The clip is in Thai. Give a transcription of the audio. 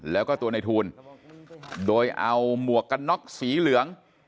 แล้วก็ตัวในทูลโดยเอาหมวกกันน็อกสีเหลือง